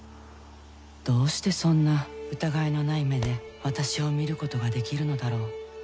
どうしてそんな疑いのない目で私を見ることができるのだろう。